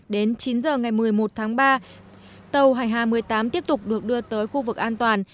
đến chín giờ ngày một mươi một tháng ba tàu hải hà một mươi tám tiếp tục được đưa tới khu vực an toàn